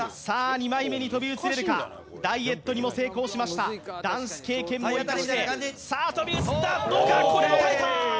２枚目に跳び移れるかダイエットにも成功しましたダンス経験も生かしてさあ跳び移ったどうかこれは耐えた！